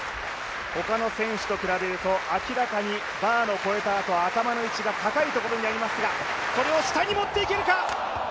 ほかの選手と比べると明らかにバーを越えたあと頭の位置が高いところにありますが、それを下に持っていけるか？